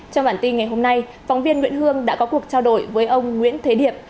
trong bản tin ngày hôm nay phóng viên nguyễn hương đã có cuộc trao đổi với ông nguyễn thế điệp